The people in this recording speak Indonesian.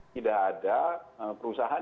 tidak ada perusahaan